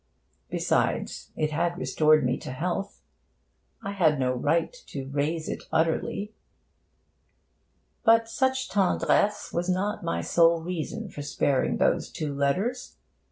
Besides, it had restored me to health. I had no right to rase it utterly. But such tendresse was not my sole reason for sparing those two letters.